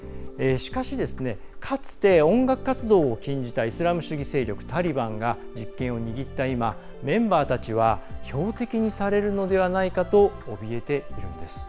しかし、かつて音楽活動を禁じたイスラム主義勢力タリバンが実権を握った今、メンバーたちは標的にされるのではないかとおびえているんです。